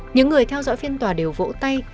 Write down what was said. những người theo dõi phiên tòa đều vỗ tay